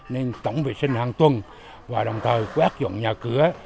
nên tổng vệ sinh hàng tuần và đồng thời quét dọn nhà cửa